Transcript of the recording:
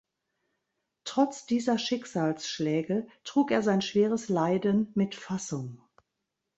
Trotz dieser Schicksalsschläge trug er sein schweres Leiden mit Fassung.